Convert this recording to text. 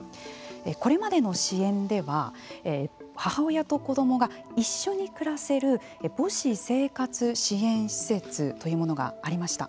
これまでの支援では母親と子どもが一緒に暮らせる母子生活支援施設というものがありました。